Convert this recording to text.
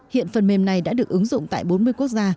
hiện phần mềm này đã được ứng dụng tại bốn mươi quốc gia